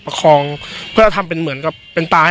ประคองเพื่อทำเหมือนถ้าให้นักดำน้ำ